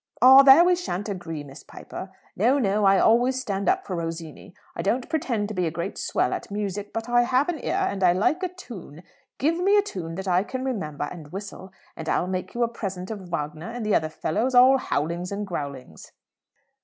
"Ah, there we shan't agree, Miss Piper! No, no; I always stand up for Rossini. I don't pretend to be a great swell at music, but I have an ear, and I like a toon. Give me a toon that I can remember and whistle, and I'll make you a present of Wagner and the other fellows, all howlings and growlings."